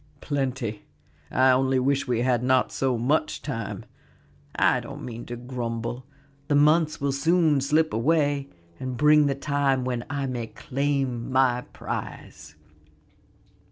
"Plenty; I only wish we had not so much. Yet I don't mean to grumble; the months will soon slip away and bring the time when I may claim my prize."